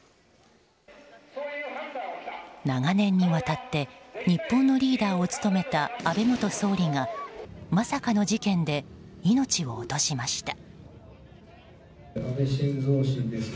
長年にわたって日本のリーダーを務めた安倍元総理がまさかの事件で命を落としました。